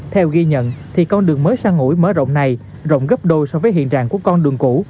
theo ghi nhận thì con đường mới sang củi mở rộng này rộng gấp đôi so với hiện trạng của con đường cũ